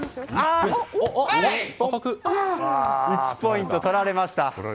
１ポイント取られました。